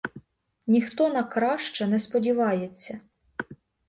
Ніхто на краще не сподівається.